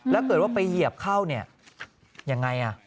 แล้วเกิดว่าไปเหยียบเข้าเนี่ยยังไง